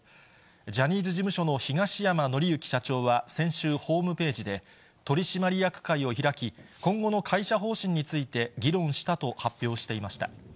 ジャニーズ事務所の東山紀之社長は先週、ホームページで、取締役会を開き、今後の会社方針について議論したと発表していました。